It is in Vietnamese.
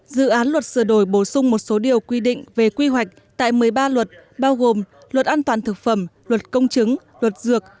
dự án luật sửa đổi bổ sung một số điều quy định về quy hoạch tại một mươi ba luật bao gồm luật an toàn thực phẩm luật công chứng luật dược